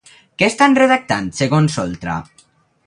Què estan redactant, segons Oltra?